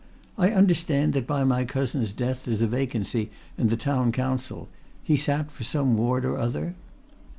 I understand that by my cousin's death there's a vacancy in the Town Council he sat for some ward or other?"